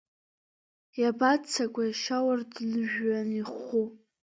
Иабаццакуеи ашьоурдын жәҩан иху?